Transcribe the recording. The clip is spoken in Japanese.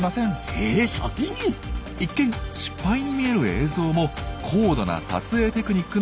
一見失敗に見える映像も高度な撮影テクニックの一部なんですよ。